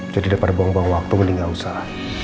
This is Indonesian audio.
jadi daripada buang buang waktu mending gak usah